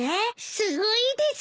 すごいです。